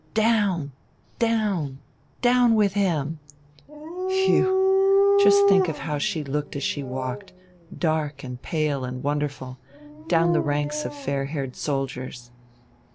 "Down, down, down with him!" Phew! Just think of how she looked as she walked, dark and pale and wonderful, down the ranks of fair haired soldiers.